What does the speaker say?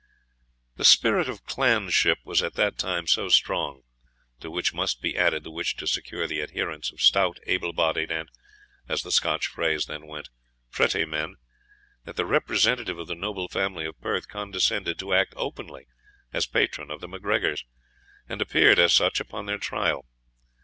The spirit of clanship was at that time, so strong to which must be added the wish to secure the adherence of stout, able bodied, and, as the Scotch phrase then went, pretty men that the representative of the noble family of Perth condescended to act openly as patron of the MacGregors, and appeared as such upon their trial.